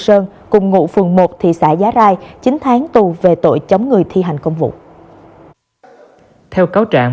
sơn cùng ngụ phường một thị xã giá rai chín tháng tù về tội chống người thi hành công vụ theo cáo trạng